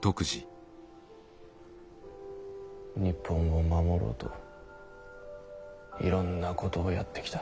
日本を守ろうといろんなことをやってきた。